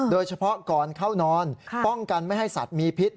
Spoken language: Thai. โดยเฉพาะก่อนเข้านอนป้องกันไม่ให้สัตว์มีพิษ